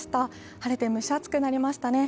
晴れて蒸し暑くなりましたね。